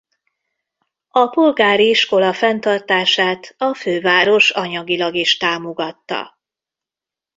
A polgári iskola fenntartását a főváros anyagilag is támogatta.